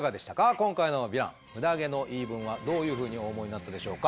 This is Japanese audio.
今回のヴィランムダ毛の言い分はどういうふうにお思いになったでしょうか？